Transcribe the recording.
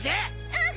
うん！